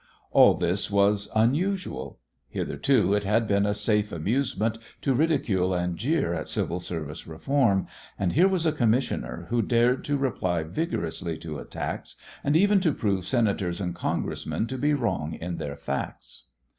All this was unusual. Hitherto it had been a safe amusement to ridicule and jeer at civil service reform, and here was a commissioner who dared to reply vigorously to attacks, and even to prove Senators and Congressmen to be wrong in their facts.